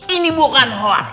ini bukan hor